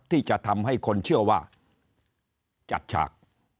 ที่จะทำให้คนเชื่อว่าจัดฉาก